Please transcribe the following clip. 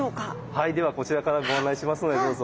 はいではこちらからご案内しますのでどうぞ。